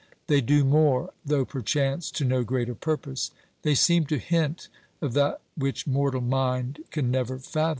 They do more, though perchance to no greater purpose ; they seem to hint of that which mortal mind can never fathom.